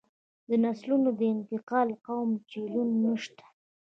د نسلونو د انتقال قوي چینلونه نشته